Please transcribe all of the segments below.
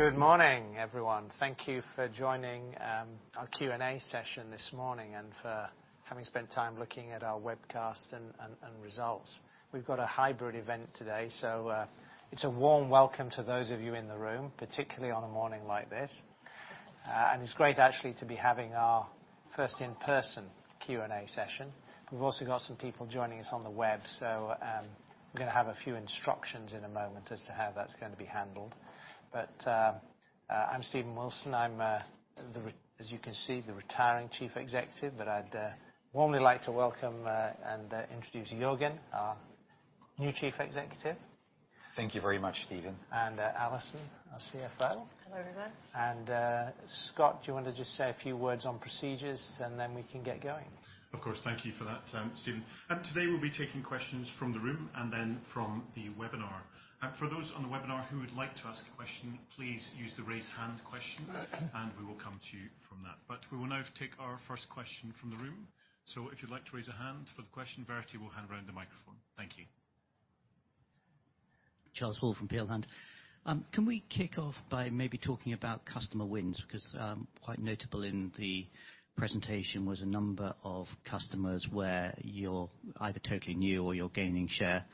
Good morning, everyone. Thank you for joining our Q&A session this morning, and for having spent time looking at our webcast and results. We've got a hybrid event today, so it's a warm welcome to those of you in the room, particularly on a morning like this. And it's great actually to be having our first in-person Q&A session. We've also got some people joining us on the web, so we're gonna have a few instructions in a moment as to how that's going to be handled. But I'm Stephen Wilson. I'm the retiring Chief Executive, as you can see, but I'd warmly like to welcome and introduce Jørgen, our new Chief Executive. Thank you very much, Stephen. And, Alison, our CFO. Hello, everyone. Scott, do you want to just say a few words on procedures, and then we can get going? Of course. Thank you for that, Stephen. Today, we'll be taking questions from the room and then from the webinar. For those on the webinar who would like to ask a question, please use the Raise Hand question- Right. We will come to you from that. But we will now take our first question from the room. So if you'd like to raise a hand for the question, Verity will hand around the microphone. Thank you. Charles Hall from Peel Hunt. Can we kick off by maybe talking about customer wins? Because, quite notable in the presentation was a number of customers where you're either totally new or you're gaining share.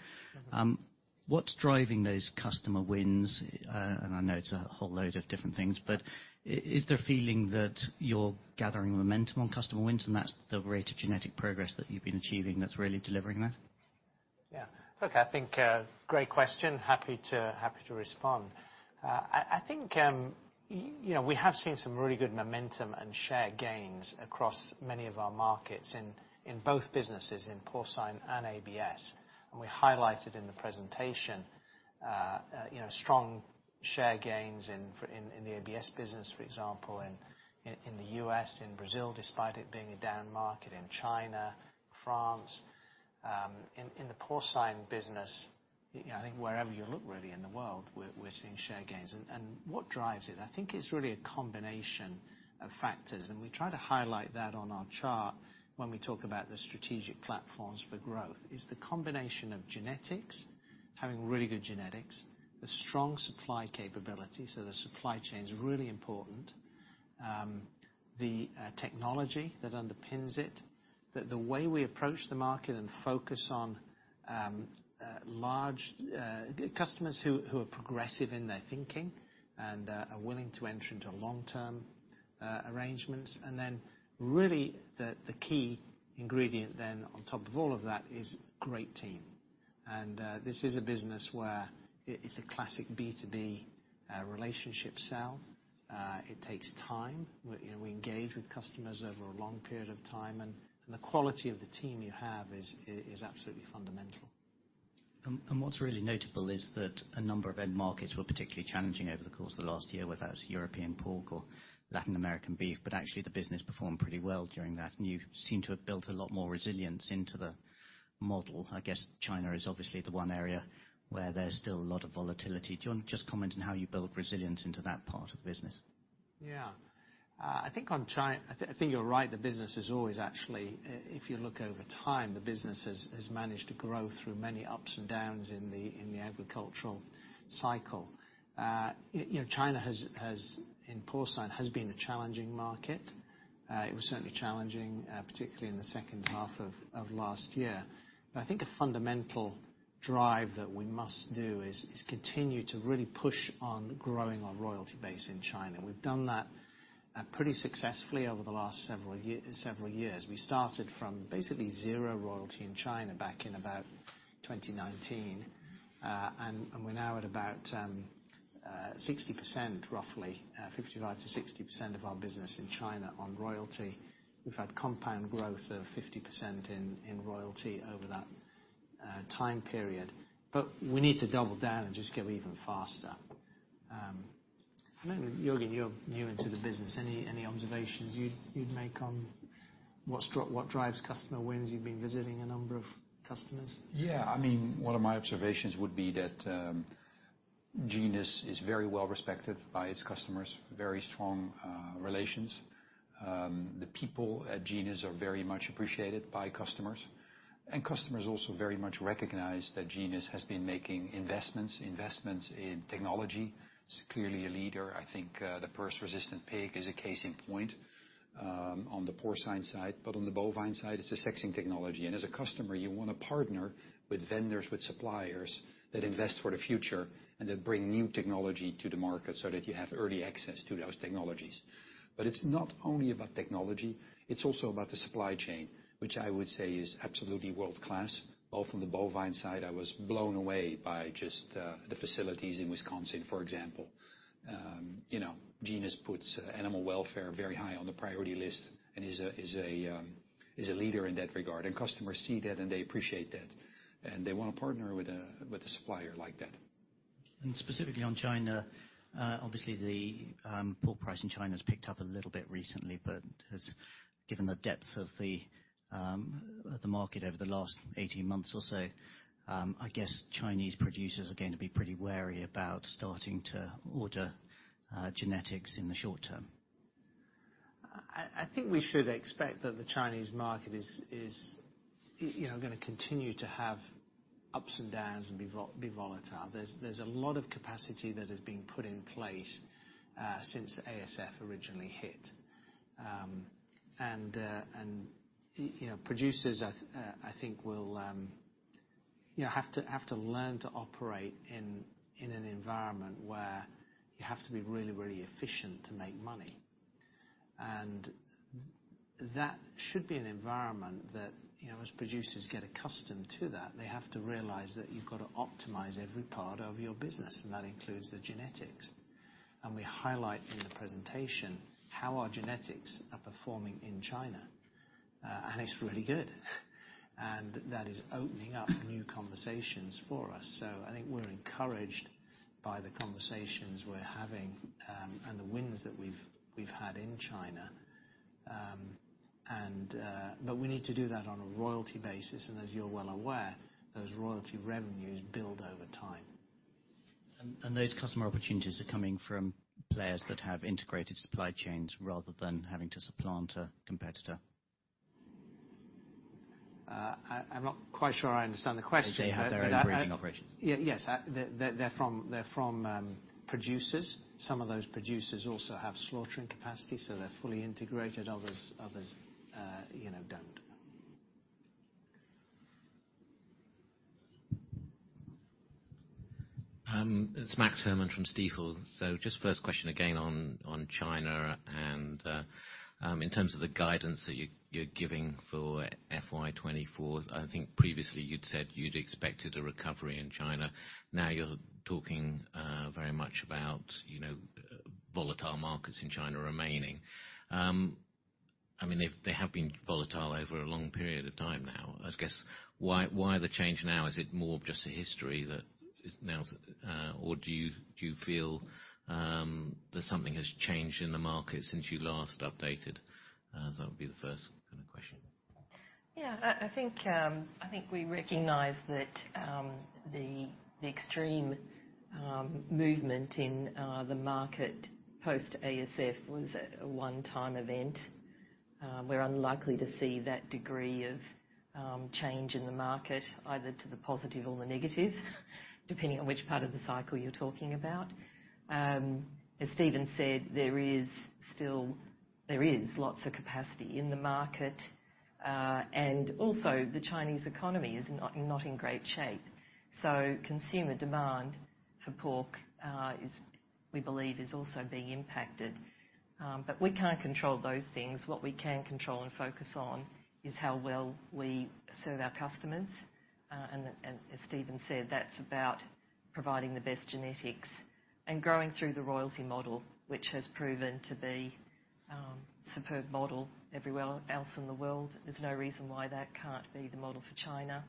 What's driving those customer wins? And I know it's a whole load of different things, but is there a feeling that you're gathering momentum on customer wins, and that's the rate of genetic progress that you've been achieving that's really delivering that? Yeah. Look, I think, great question. Happy to, happy to respond. I think, you know, we have seen some really good momentum and share gains across many of our markets in both businesses, in porcine and ABS. And we highlighted in the presentation, you know, strong share gains in the ABS business, for example, in the US, in Brazil, despite it being a down market, in China, France. In the porcine business, you know, I think wherever you look really in the world, we're seeing share gains. And what drives it, I think it's really a combination of factors, and we try to highlight that on our chart when we talk about the strategic platforms for growth, is the combination of genetics, having really good genetics, the strong supply capability, so the supply chain is really important. The technology that underpins it, the way we approach the market and focus on large customers who are progressive in their thinking and are willing to enter into long-term arrangements. And then really, the key ingredient then, on top of all of that, is great team. And this is a business where it, it's a classic B2B relationship sell. It takes time. We, you know, we engage with customers over a long period of time, and the quality of the team you have is absolutely fundamental. What's really notable is that a number of end markets were particularly challenging over the course of the last year, whether that's European pork or Latin American beef, but actually the business performed pretty well during that, and you seem to have built a lot more resilience into the model. I guess China is obviously the one area where there's still a lot of volatility. Do you want to just comment on how you build resilience into that part of the business? Yeah. I think on China... I think you're right. The business is always actually, if you look over time, the business has managed to grow through many ups and downs in the agricultural cycle. You know, China has, in porcine, has been a challenging market. It was certainly challenging, particularly in the second half of last year. But I think a fundamental drive that we must do is continue to really push on growing our royalty base in China. We've done that, pretty successfully over the last several years. We started from basically zero royalty in China back in about 2019, and we're now at about, 60%, roughly, 55%-60% of our business in China on royalty. We've had compound growth of 50% in royalty over that time period, but we need to double down and just go even faster. I don't know, Jørgen, you're new into the business. Any observations you'd make on what struck, what drives customer wins? You've been visiting a number of customers. Yeah, I mean, one of my observations would be that, Genus is very well respected by its customers, very strong relations. The people at Genus are very much appreciated by customers, and customers also very much recognize that Genus has been making investments, investments in technology. It's clearly a leader. I think, the PRRS-resistant pig is a case in point, on the porcine side, but on the bovine side, it's a sexing technology. And as a customer, you want to partner with vendors, with suppliers that invest for the future and that bring new technology to the market so that you have early access to those technologies. But it's not only about technology, it's also about the supply chain, which I would say is absolutely world-class. Both on the bovine side, I was blown away by just, the facilities in Wisconsin, for example. You know, Genus puts animal welfare very high on the priority list and is a leader in that regard, and customers see that, and they appreciate that, and they want to partner with a supplier like that. Specifically on China, obviously the pork price in China has picked up a little bit recently, but, given the depth of the market over the last 18 months or so, I guess Chinese producers are going to be pretty wary about starting to order genetics in the short term. I think we should expect that the Chinese market is, you know, gonna continue to have ups and downs and be volatile. There's a lot of capacity that has been put in place since ASF originally hit. And, you know, producers, I think will, you know, have to learn to operate in an environment where you have to be really, really efficient to make money. And that should be an environment that, you know, as producers get accustomed to that, they have to realize that you've got to optimize every part of your business, and that includes the genetics. And we highlight in the presentation how our genetics are performing in China, and it's really good. And that is opening up new conversations for us. So I think we're encouraged by the conversations we're having, and the wins that we've had in China. But we need to do that on a royalty basis, and as you're well aware, those royalty revenues build over time. Those customer opportunities are coming from players that have integrated supply chains rather than having to supplant a competitor? I'm not quite sure I understand the question. They have their own breeding operations. Yeah. Yes, they're from producers. Some of those producers also have slaughtering capacity, so they're fully integrated. Others, you know, don't. It's Max Herrmann from Stifel. So just first question again on, on China and, in terms of the guidance that you're, you're giving for FY 2024, I think previously you'd said you'd expected a recovery in China. Now you're talking, very much about, you know, volatile markets in China remaining. I mean, they, they have been volatile over a long period of time now. I guess, why, why the change now? Is it more of just a history that is now... Or do you, do you feel, that something has changed in the market since you last updated? That would be the first kind of question. Yeah, I think we recognize that the extreme movement in the market post ASF was a one-time event. We're unlikely to see that degree of change in the market, either to the positive or the negative, depending on which part of the cycle you're talking about. As Stephen said, there is lots of capacity in the market, and also the Chinese economy is not in great shape. So consumer demand for pork is, we believe, also being impacted. But we can't control those things. What we can control and focus on is how well we serve our customers. And as Stephen said, that's about providing the best genetics and growing through the royalty model, which has proven to be a superb model everywhere else in the world. There's no reason why that can't be the model for China.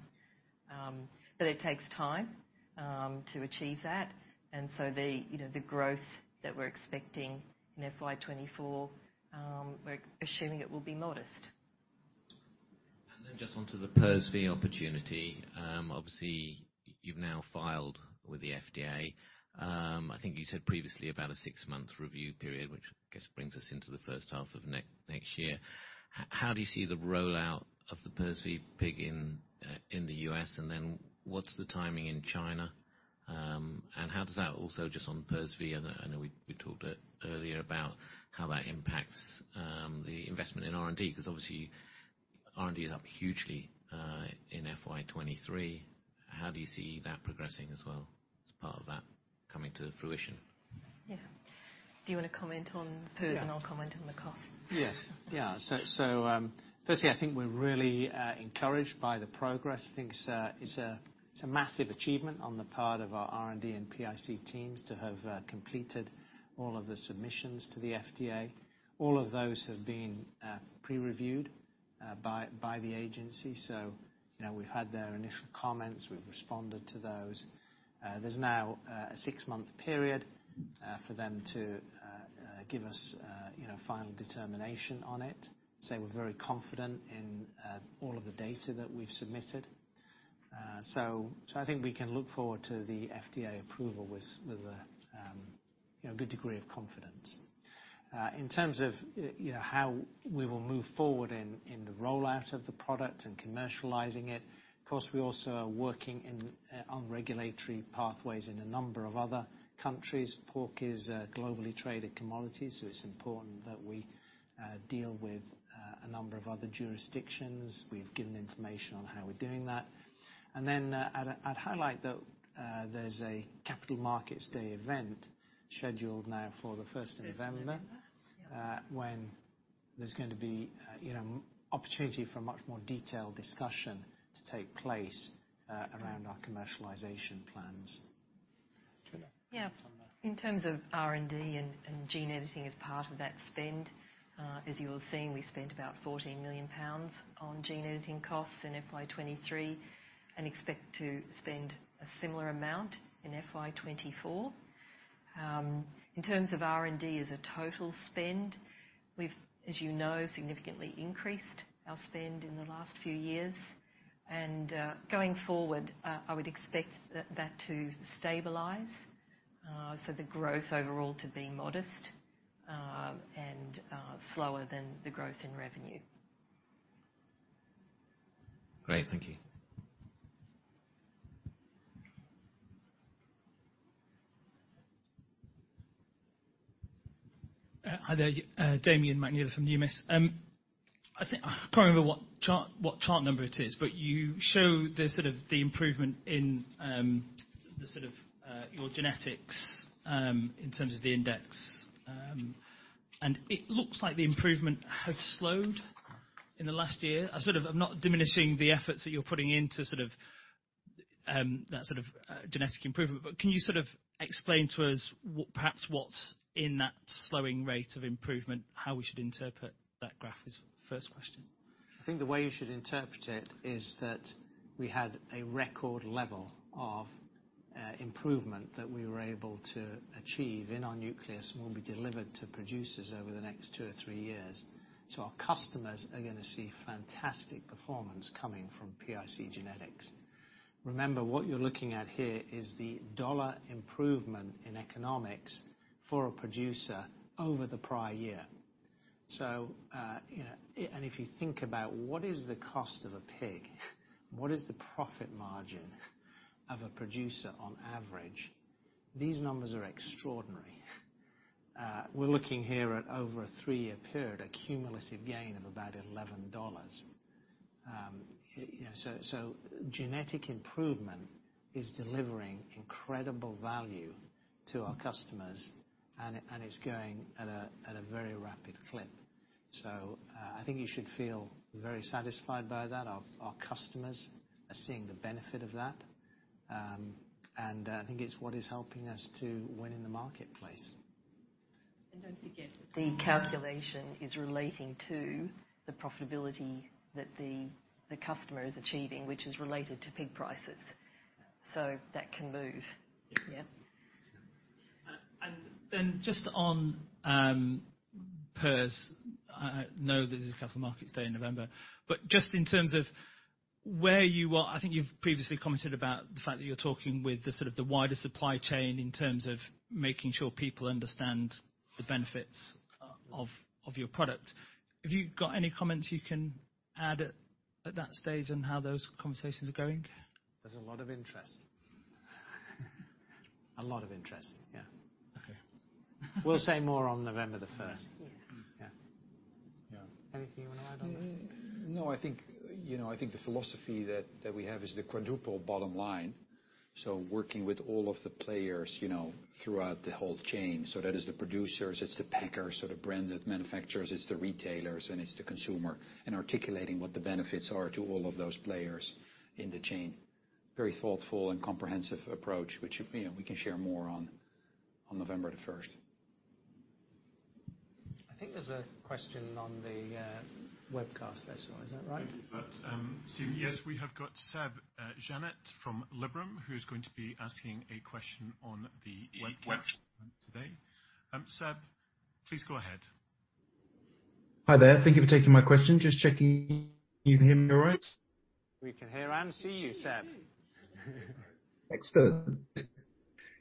But it takes time to achieve that. And so the, you know, the growth that we're expecting in FY 2024, we're assuming it will be modest. And then just onto the PRRS opportunity. Obviously, you've now filed with the FDA. I think you said previously about a six-month review period, which I guess brings us into the first half of next, next year. How do you see the rollout of the PRRS pig in, in the U.S., and then what's the timing in China? And how does that also, just on PRRS, I know, I know we, we talked earlier about how that impacts, the investment in R&D, because obviously R&D is up hugely, in FY 2023. How do you see that progressing as well as part of that coming to fruition? Yeah. Do you wanna comment on PRRS- Yeah. And I'll comment on the cost? Yes. Yeah. So, firstly, I think we're really encouraged by the progress. I think it's a massive achievement on the part of our R&D and PIC teams to have completed all of the submissions to the FDA. All of those have been pre-reviewed by the agency, so, you know, we've had their initial comments, we've responded to those. There's now a six-month period for them to give us, you know, final determination on it. So we're very confident in all of the data that we've submitted. So I think we can look forward to the FDA approval with a good degree of confidence. In terms of, you know, how we will move forward in the rollout of the product and commercializing it, of course, we also are working on regulatory pathways in a number of other countries. Pork is a globally traded commodity, so it's important that we deal with a number of other jurisdictions. We've given information on how we're doing that. And then, I'd highlight that there's a capital markets day event scheduled now for the first of November- First of November, yeah. When there's going to be, you know, opportunity for a much more detailed discussion to take place around our commercialization plans. Trina? Yeah. In terms of R&D and gene editing as part of that spend, as you're seeing, we spent about 14 million pounds on gene editing costs in FY 2023, and expect to spend a similar amount in FY 2024. In terms of R&D as a total spend, we've, as you know, significantly increased our spend in the last few years. Going forward, I would expect that to stabilize... so the growth overall to be modest, and slower than the growth in revenue. Great. Thank you. Hi there, Damian McNeela from Numis. I think, I can't remember what chart, what chart number it is, but you show the sort of the improvement in, the sort of, your genetics, in terms of the index. It looks like the improvement has slowed in the last year. I sort of, I'm not diminishing the efforts that you're putting in to sort of, that sort of, genetic improvement, but can you sort of explain to us what, perhaps what's in that slowing rate of improvement, how we should interpret that graph? Is the first question? I think the way you should interpret it is that we had a record level of improvement that we were able to achieve in our nucleus, will be delivered to producers over the next two or three years. So our customers are going to see fantastic performance coming from PIC genetics. Remember, what you're looking at here is the dollar improvement in economics for a producer over the prior year. So, you know, and if you think about what is the cost of a pig, what is the profit margin of a producer on average? These numbers are extraordinary. We're looking here at over a 3-year period, a cumulative gain of about $11. So, genetic improvement is delivering incredible value to our customers, and it, and it's going at a, at a very rapid clip. So, I think you should feel very satisfied by that. Our customers are seeing the benefit of that. I think it's what is helping us to win in the marketplace. Don't forget, the calculation is relating to the profitability that the customer is achieving, which is related to pig prices. So that can move. Yeah. Just on PRRS, I know that there's a capital markets day in November, but just in terms of where you are, I think you've previously commented about the fact that you're talking with the sort of the wider supply chain in terms of making sure people understand the benefits of your product. Have you got any comments you can add at that stage on how those conversations are going? There's a lot of interest. A lot of interest, yeah. Okay. We'll say more on November the 1st. Yeah. Yeah. Yeah. Anything you want to add on that? No, I think, you know, I think the philosophy that we have is the quadruple bottom line. So working with all of the players, you know, throughout the whole chain. So that is the producers, it's the packers, so the branded manufacturers, it's the retailers, and it's the consumer, and articulating what the benefits are to all of those players in the chain. Very thoughtful and comprehensive approach, which, you know, we can share more on November 1st. I think there's a question on the webcast there, so is that right? Thank you for that, Steve. Yes, we have got Seb Jantet from Liberum, who is going to be asking a question on the webcast today. Seb, please go ahead. Hi there. Thank you for taking my question. Just checking you can hear me all right? We can hear and see you, Seb. Excellent.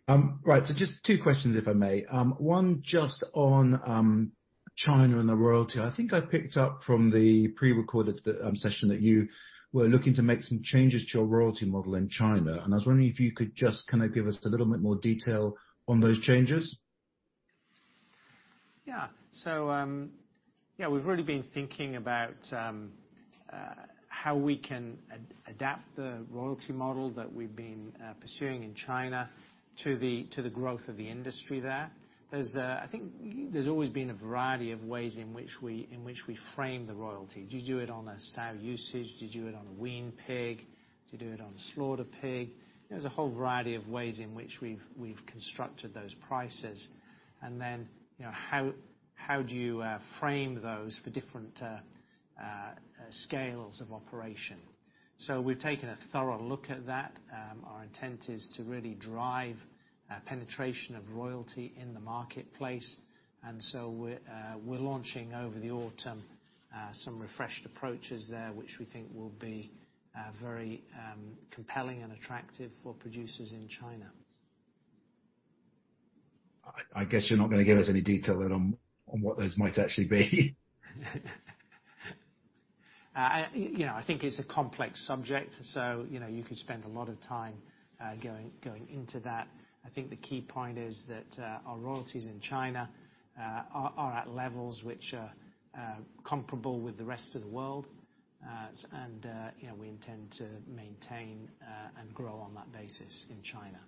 Right, so just two questions, if I may. One, just on China and the royalty. I think I picked up from the pre-recorded session, that you were looking to make some changes to your royalty model in China, and I was wondering if you could just kind of give us a little bit more detail on those changes. Yeah. So, yeah, we've really been thinking about how we can adapt the royalty model that we've been pursuing in China to the, to the growth of the industry there. There's a, I think there's always been a variety of ways in which we, in which we frame the royalty. Do you do it on a sow usage? Do you do it on a wean pig? Do you do it on a slaughter pig? There's a whole variety of ways in which we've, we've constructed those prices, and then, you know, how, how do you frame those for different, scales of operation? So we've taken a thorough look at that. Our intent is to really drive penetration of royalty in the marketplace. And so we're launching over the autumn some refreshed approaches there, which we think will be very compelling and attractive for producers in China. I guess you're not going to give us any detail then on what those might actually be? You know, I think it's a complex subject, so, you know, you could spend a lot of time going into that. I think the key point is that our royalties in China are at levels which are comparable with the rest of the world. And, you know, we intend to maintain and grow on that basis in China.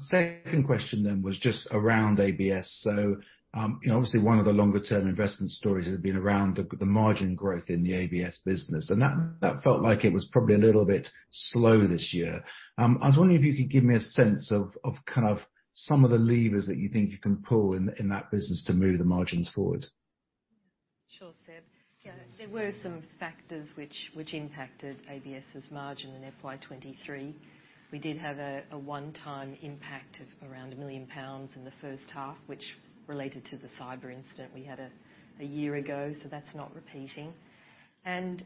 Second question then was just around ABS. So, you know, obviously, one of the longer term investment stories has been around the margin growth in the ABS business, and that felt like it was probably a little bit slow this year. I was wondering if you could give me a sense of kind of some of the levers that you think you can pull in that business to move the margins forward. Sure, Seb. Yeah, there were some factors which impacted ABS's margin in FY 2023. We did have a one-time impact of around 1 million pounds in the first half, which related to the cyber incident we had a year ago, so that's not repeating. And,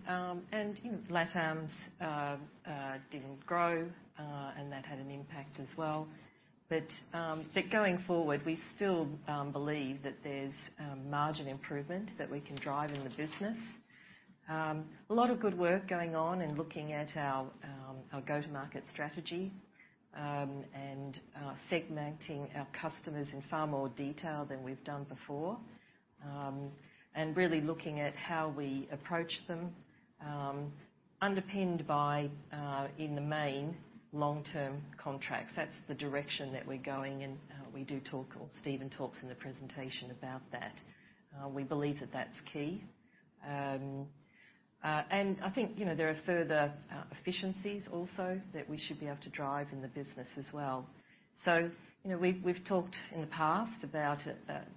you know, LatAm's didn't grow, and that had an impact as well. But, going forward, we still believe that there's margin improvement that we can drive in the business. A lot of good work going on in looking at our go-to-market strategy, and segmenting our customers in far more detail than we've done before. And really looking at how we approach them, underpinned by, in the main, long-term contracts. That's the direction that we're going, and we do talk, or Stephen talks in the presentation about that. We believe that that's key. And I think, you know, there are further efficiencies also that we should be able to drive in the business as well. So, you know, we've, we've talked in the past about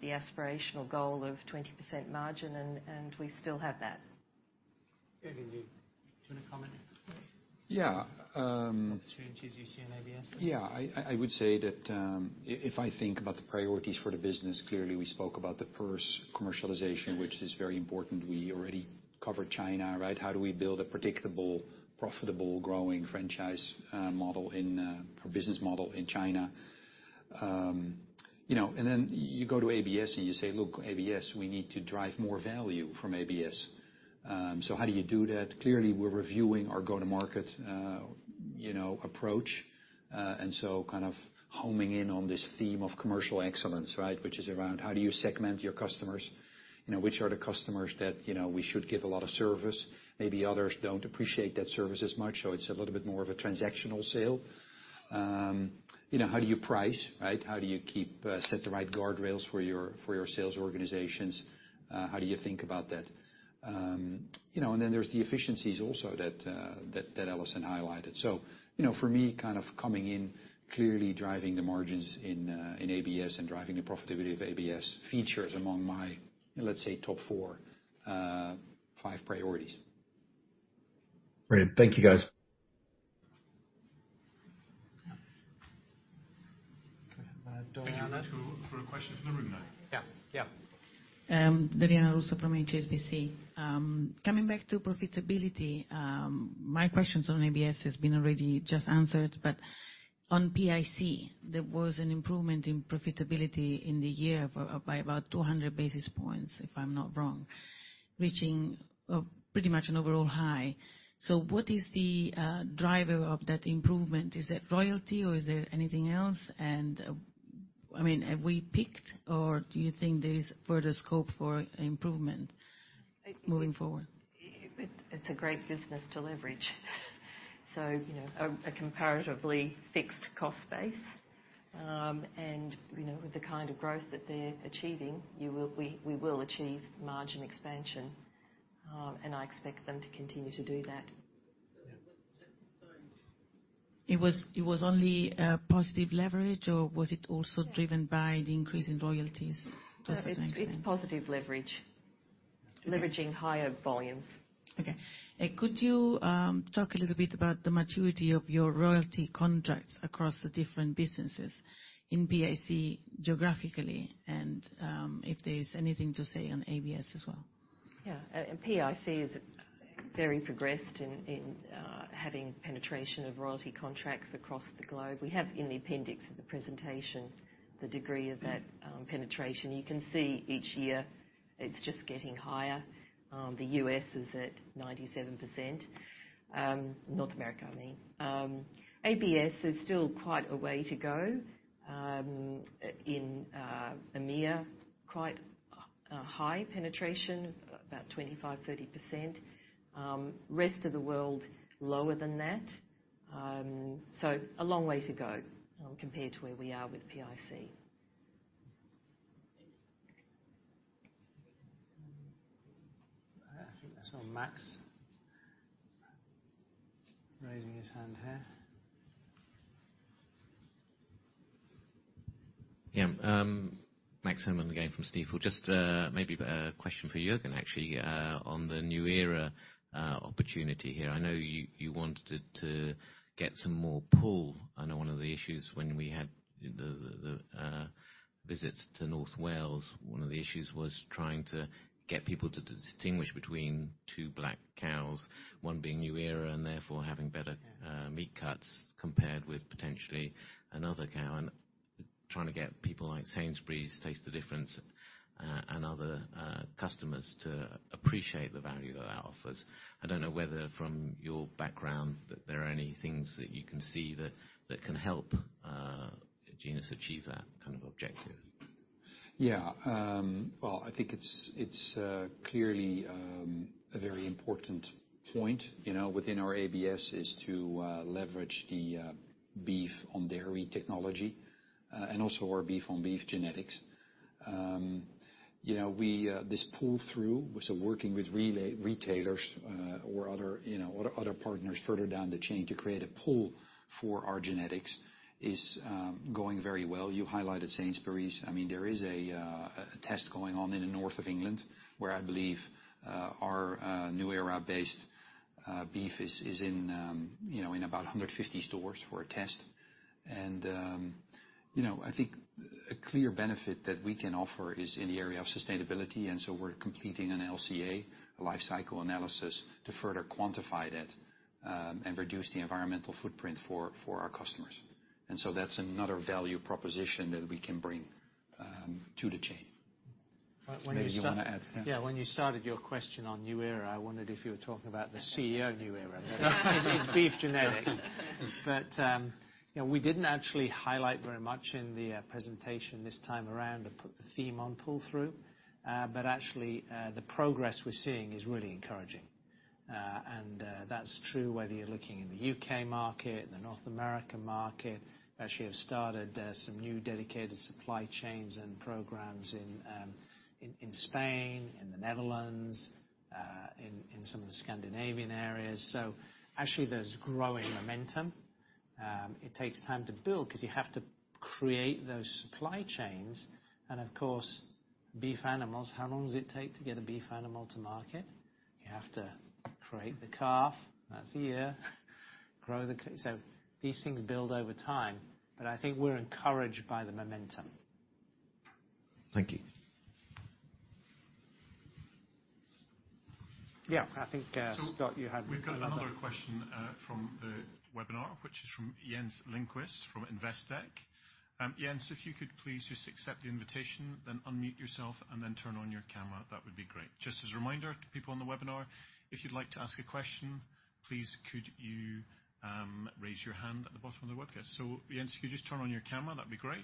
the aspirational goal of 20% margin, and we still have that. Jørgen, do you want to comment? Yeah, um- Opportunities you see in ABS? Yeah, I would say that, if I think about the priorities for the business, clearly we spoke about the PRRS commercialization, which is very important. We already covered China, right? How do we build a predictable, profitable, growing franchise, model in, for business model in China? You know, and then you go to ABS, and you say, "Look, ABS, we need to drive more value from ABS." So how do you do that? Clearly, we're reviewing our go-to-market, you know, approach, and so kind of homing in on this theme of commercial excellence, right? Which is around how do you segment your customers? You know, which are the customers that, you know, we should give a lot of service? Maybe others don't appreciate that service as much, so it's a little bit more of a transactional sale. You know, how do you price, right? How do you keep set the right guardrails for your, for your sales organizations? How do you think about that? You know, and then there's the efficiencies also that Alison highlighted. So, you know, for me, kind of coming in, clearly driving the margins in in ABS and driving the profitability of ABS features among my, let's say, top four, five priorities. Great. Thank you, guys. Okay. Thank you. For a question from the room now. Yeah, yeah. Diana Russo from HSBC. Coming back to profitability, my questions on ABS has been already just answered, but on PIC, there was an improvement in profitability in the year for, by about 200 basis points, if I'm not wrong, reaching a pretty much an overall high. So what is the driver of that improvement? Is it royalty, or is there anything else? And, I mean, have we peaked, or do you think there is further scope for improvement moving forward? It's a great business to leverage. So, you know, a comparatively fixed cost base. And you know, with the kind of growth that they're achieving, we will achieve margin expansion, and I expect them to continue to do that. It was, it was only positive leverage, or was it also driven by the increase in royalties? Just so I understand. It's positive leverage, leveraging higher volumes. Okay. Could you talk a little bit about the maturity of your royalty contracts across the different businesses in PIC geographically, and if there is anything to say on ABS as well? Yeah, and PIC is very progressed in having penetration of royalty contracts across the globe. We have in the appendix of the presentation the degree of that penetration. You can see each year it's just getting higher. The U.S. is at 97%, North America, I mean. ABS is still quite a way to go. In EMEA, quite high penetration, about 25-30%. Rest of the world, lower than that. So a long way to go, compared to where we are with PIC. I think that's Max, raising his hand here. Yeah, Max Herrmann again from Stifel. Just, maybe a question for Jørgen, actually, on the new era, opportunity here. I know you wanted to get some more pull. I know one of the issues when we had the visits to North Wales, one of the issues was trying to get people to distinguish between two black cows, one being new era, and therefore, having better, meat cuts, compared with potentially another cow. And trying to get people like Sainsbury's Taste the Difference, and other, customers to appreciate the value that that offers. I don't know whether from your background, that there are any things that you can see that can help, Genus achieve that kind of objective. Yeah, well, I think it's clearly a very important point, you know, within our ABS, is to leverage the beef on dairy technology and also our beef on beef genetics. You know, we this pull-through, so working with retailers or other, you know, other partners further down the chain to create a pull for our genetics is going very well. You highlighted Sainsbury's. I mean, there is a test going on in the north of England, where I believe our new era-based beef is in, you know, in about 150 stores for a test. And, you know, I think- A clear benefit that we can offer is in the area of sustainability, and so we're completing an LCA, a life cycle analysis, to further quantify that, and reduce the environmental footprint for our customers. And so that's another value proposition that we can bring to the chain. But when you start- Maybe you want to add, yeah. Yeah, when you started your question on new era, I wondered if you were talking about the CEO, NuEra. It's beef genetics. But, you know, we didn't actually highlight very much in the presentation this time around to put the theme on pull-through. But actually, the progress we're seeing is really encouraging. And, that's true whether you're looking in the UK market, the North American market. Actually have started some new dedicated supply chains and programs in Spain, in the Netherlands, in some of the Scandinavian areas. So actually, there's growing momentum. It takes time to build because you have to create those supply chains. And of course, beef animals, how long does it take to get a beef animal to market? You have to create the calf, that's a year. So these things build over time, but I think we're encouraged by the momentum. Thank you. Yeah, I think, Scott, you had- So we've got another question from the webinar, which is from Jens Lindqvist, from Investec. Jens, if you could please just accept the invitation, then unmute yourself and then turn on your camera, that would be great. Just as a reminder to people on the webinar, if you'd like to ask a question, please, could you raise your hand at the bottom of the webcast? So Jens, if you just turn on your camera, that'd be great.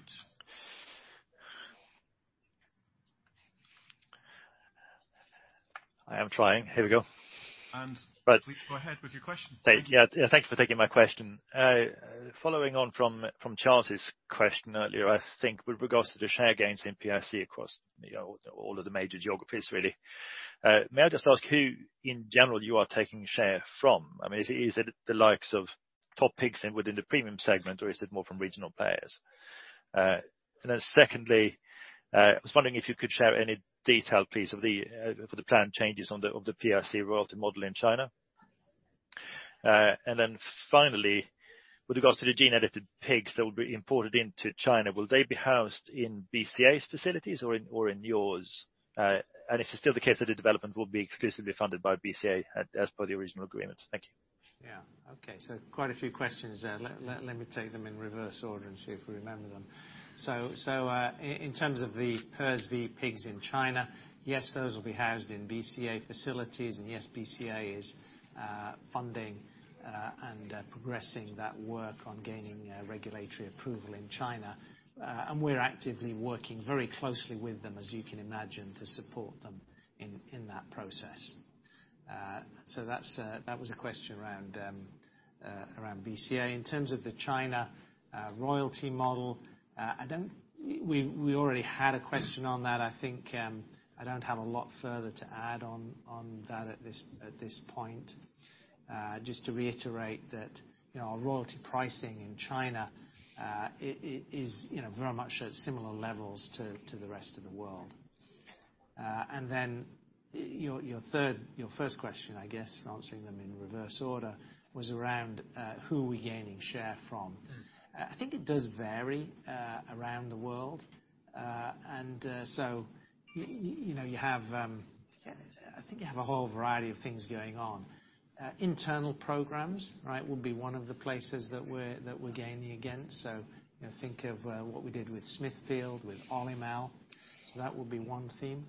I am trying. Here we go. And- But- Please go ahead with your question. Yeah, yeah, thank you for taking my question. Following on from, from Charles's question earlier, I think with regards to the share gains in PIC across, you know, all of the major geographies, really. May I just ask who, in general, you are taking share from? I mean, is it, is it the likes of Topigs and within the premium segment, or is it more from regional players? And then secondly, I was wondering if you could share any detail, please, of the, for the planned changes on the, of the PIC royalty model in China. And then finally, with regards to the gene-edited pigs that will be imported into China, will they be housed in BCA's facilities or in, or in yours? Is it still the case that the development will be exclusively funded by BCA as per the original agreement? Thank you. Yeah. Okay, so quite a few questions there. Let me take them in reverse order and see if we remember them. So, in terms of the PRRS pigs in China, yes, those will be housed in BCA facilities, and yes, BCA is funding and progressing that work on gaining regulatory approval in China. And we're actively working very closely with them, as you can imagine, to support them in that process. So that's that was a question around BCA. In terms of the China royalty model, I don't... We already had a question on that, I think. I don't have a lot further to add on that at this point. Just to reiterate that, you know, our royalty pricing in China, it is, you know, very much at similar levels to the rest of the world. And then your third, your first question, I guess, answering them in reverse order, was around who we're gaining share from. Mm. I think it does vary around the world. And, so, you know, you have, I think you have a whole variety of things going on. Internal programs, right, would be one of the places that we're gaining against. So, you know, think of what we did with Smithfield, with Olymel. So that would be one theme.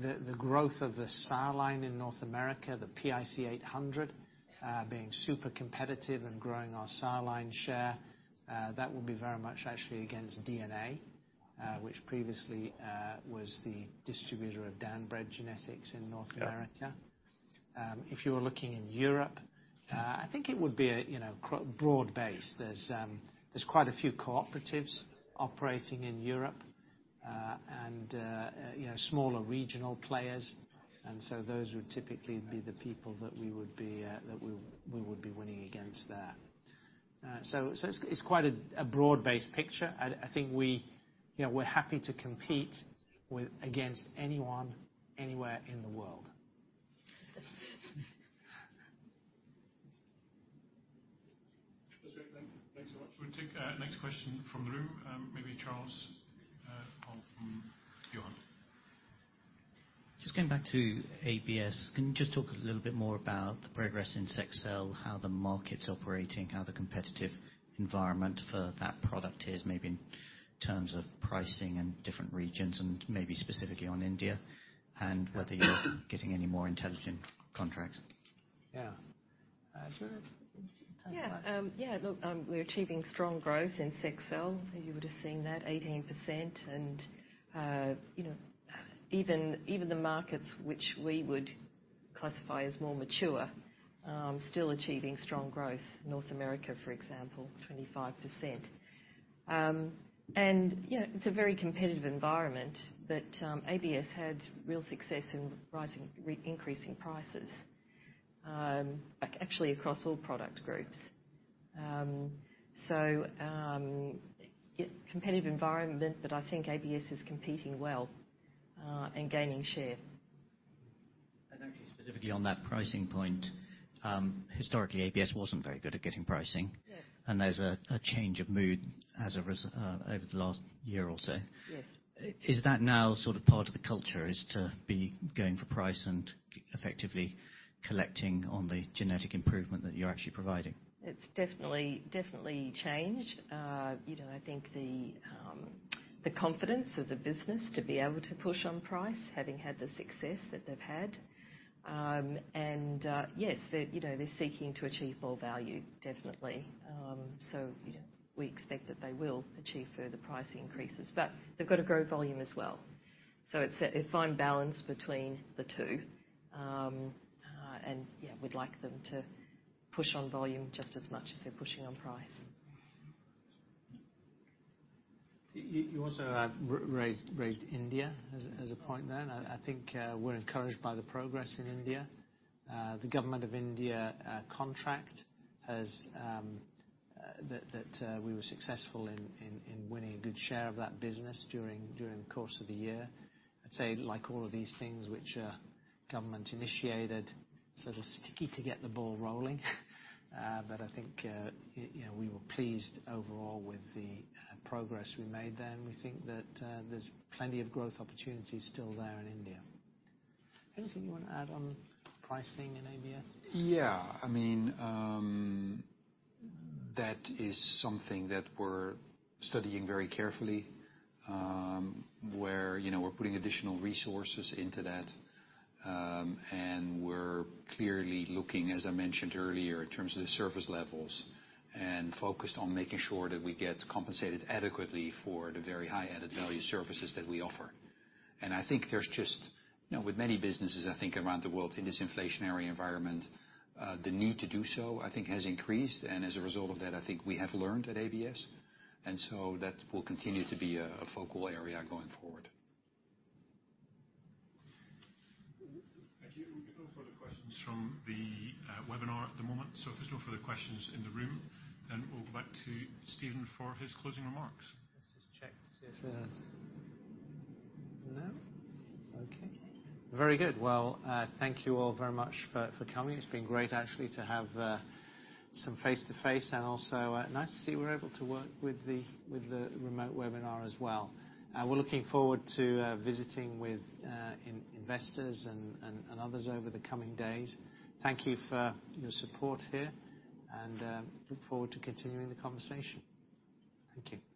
The growth of the sire line in North America, the PIC800, being super competitive and growing our sire line share, that will be very much actually against DNA, which previously was the distributor of DanBred Genetics in North America. If you were looking in Europe, I think it would be a, you know, broad base. There's, there's quite a few cooperatives operating in Europe, and, you know, smaller regional players, and so those would typically be the people that we would be, that we, we would be winning against there. So, so it's, it's quite a, a broad-based picture. I, I think we, you know, we're happy to compete with, against anyone, anywhere in the world. That's great. Thank you. Thanks so much. We'll take next question from the room, maybe Charles, or from Johan. Just getting back to ABS, can you just talk a little bit more about the progress in Sexcel, how the market's operating, how the competitive environment for that product is, maybe in terms of pricing in different regions, and maybe specifically on India, and whether you're getting any more intelligent contracts? Yeah. Do you want to talk about it? Yeah, yeah, look, we're achieving strong growth in Sexcel. You would have seen that, 18% and, you know, even, even the markets which we would classify as more mature, still achieving strong growth. North America, for example, 25%. And, you know, it's a very competitive environment, but, ABS had real success in increasing prices, actually across all product groups. So, competitive environment, but I think ABS is competing well, and gaining share. I think specifically on that pricing point, historically, ABS wasn't very good at getting pricing. Yes. There's a change of mood as a result, over the last year or so. Yes. Is that now sort of part of the culture, is to be going for price and effectively collecting on the genetic improvement that you're actually providing? It's definitely, definitely changed. You know, I think the confidence of the business to be able to push on price, having had the success that they've had. And yes, they're, you know, they're seeking to achieve more value, definitely. So, you know, we expect that they will achieve further price increases, but they've got to grow volume as well. So it's a fine balance between the two. And yeah, we'd like them to push on volume just as much as they're pushing on price. You also raised India as a point there, and I think we're encouraged by the progress in India. The government of India contract has... that we were successful in winning a good share of that business during the course of the year. I'd say like all of these things which are government-initiated, sort of sticky to get the ball rolling. But I think, you know, we were pleased overall with the progress we made there, and we think that there's plenty of growth opportunities still there in India. Anything you want to add on pricing in ABS? Yeah. I mean, that is something that we're studying very carefully, where, you know, we're putting additional resources into that. And we're clearly looking, as I mentioned earlier, in terms of the service levels, and focused on making sure that we get compensated adequately for the very high added value services that we offer. And I think there's just, you know, with many businesses, I think around the world in this inflationary environment, the need to do so, I think, has increased. And as a result of that, I think we have learned at ABS, and so that will continue to be a focal area going forward. Thank you. We've got no further questions from the webinar at the moment, so if there's no further questions in the room, then we'll go back to Stephen for his closing remarks. Let's just check to see if, No? Okay. Very good. Well, thank you all very much for coming. It's been great actually to have some face-to-face and also nice to see we're able to work with the remote webinar as well. We're looking forward to visiting with investors and others over the coming days. Thank you for your support here, and look forward to continuing the conversation. Thank you.